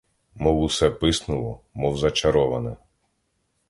Мов усе писнуло, мов зачароване.